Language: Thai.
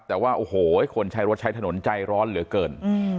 แต่ว่าโอ้โหคนใช้รถใช้ถนนใจร้อนเหลือเกิน